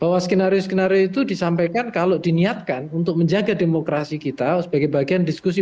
bahwa skenario skenario itu disampaikan kalau diniatkan untuk menjaga demokrasi kita sebagai bagian diskusi